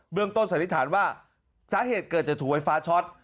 เรื่องต้นสันนิษฐานว่าสาเหตุเกิดจะถูกไฟฟ้าช็อต